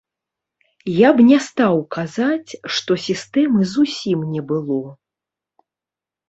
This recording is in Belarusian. Я б не стаў казаць, што сістэмы зусім не было.